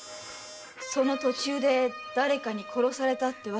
その途中で誰かに殺されたってわけか。